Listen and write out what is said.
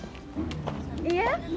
「いえ」